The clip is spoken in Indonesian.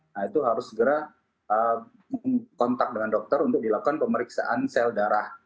nah itu harus segera mengkontak dengan dokter untuk dilakukan pemeriksaan sel darah